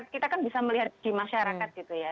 kita kan bisa melihat di masyarakat gitu ya